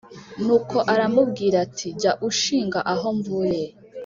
nuko aramubwira ati :jya ushinga aho mvuye :